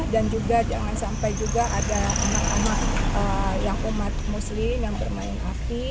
dan juga jangan sampai juga ada anak anak yang umat muslim yang bermain api